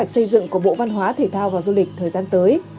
đây là một kế hoạch xây dựng của bộ văn hóa thể thao và du lịch thời gian tới